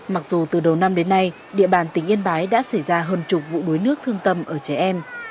mặc dù từ đầu năm đến nay địa bàn tỉnh yên bái đã xảy ra hơn chục vụ đuối nước thương tâm ở trẻ em